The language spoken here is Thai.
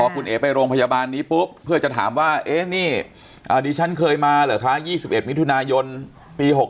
พอคุณเอ๋ไปโรงพยาบาลนี้ปุ๊บเพื่อจะถามว่าเอ๊ะนี่ดิฉันเคยมาเหลือท้ายี่สิบเอ็ดมิถุนายนปี๖๑